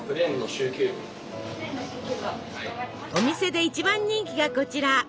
お店で一番人気がこちら。